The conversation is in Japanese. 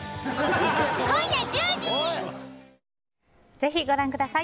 ぜひご覧ください。